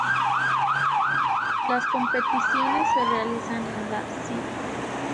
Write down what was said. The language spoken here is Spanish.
Las competiciones se realizarán en la St.